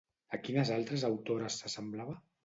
A quines altres autores s'assemblava?